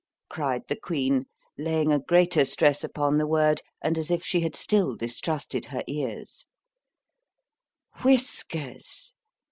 cried the queen, laying a greater stress upon the word, and as if she had still distrusted her ears——Whiskers!